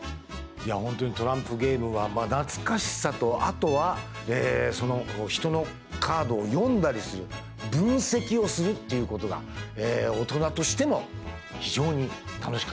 本当にトランプゲームは懐かしさとあとは人のカードを読んだりする分析をするっていうことが大人としても非常に楽しかった。